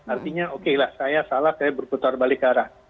artinya okelah saya salah saya berputar balik arah